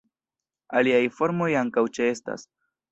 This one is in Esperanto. Aliaj formoj ankaŭ ĉeestas.